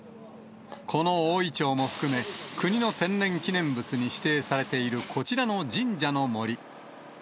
この大イチョウも含め、国の天然記念物に指定されているこちらの神社の森。